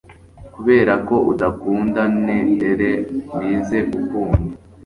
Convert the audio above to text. kuberako udakunda, ne'er wize gukunda